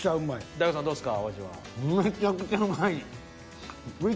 大吉さんどうですか？